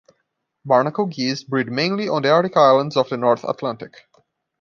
Barnacle geese breed mainly on the Arctic islands of the North Atlantic.